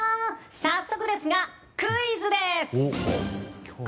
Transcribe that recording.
早速ですがクイズです！